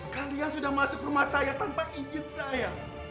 kalian sudah masuk rumah saya tanpa izin saya